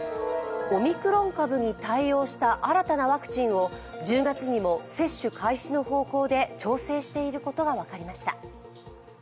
オミクロン株に対応した新たなワクチンを１０月にも接種開始の方向で調整していることが分かりました。